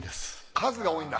数が多いんだ。